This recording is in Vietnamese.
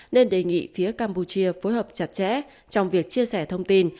nên đề nghị phía campuchia phối hợp chặt chẽ trong việc chia sẻ thông tin